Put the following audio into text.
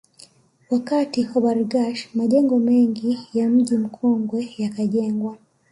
Wakati wa Bargash majengo mengi ya Mji Mkongwe yakajengwa